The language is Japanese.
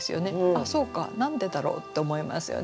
あっそうか何でだろう？と思いますよね。